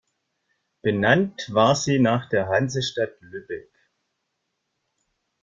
Benannt war sie nach der Hansestadt Lübeck.